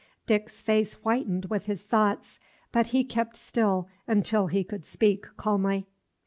Dick's face whitened with his thoughts, but he kept still until he could speak calmly.